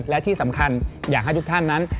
และที่สำคัญอยากให้ทุกท่านนั้น